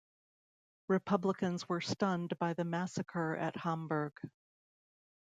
Republicans were stunned by the massacre at Hamburg.